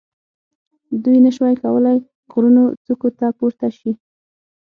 دوی نه شوای کولای غرونو څوکو ته پورته شي.